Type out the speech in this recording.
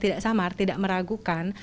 tidak samar tidak meragukan